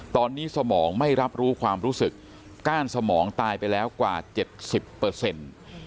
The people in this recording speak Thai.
ตอนนี้สมองไม่รับรู้ความรู้สึกก้านสมองตายไปแล้วกว่าเจ็ดสิบเปอร์เซ็นต์